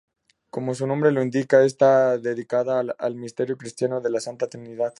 Como su nombre lo indica esta dedicada al misterio cristiano de la Santa Trinidad.